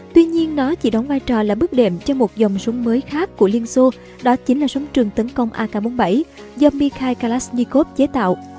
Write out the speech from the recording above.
tuy nhiên nó chỉ đóng vai trò là bước đệm cho một dòng súng mới khác của liên xô đó chính là súng trường tấn công ak bốn mươi bảy do mikhai kalashnikov chế tạo